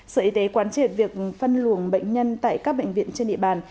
sở y tế quán triệt việc phân luồng bệnh nhân tại các bệnh viện trên địa bàn